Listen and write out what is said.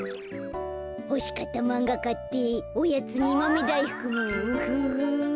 ほしかったまんがかっておやつにまめだいふくもウフフ。